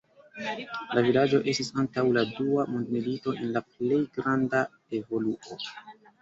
La vilaĝo estis antaŭ la dua mondmilito en la plej granda evoluo.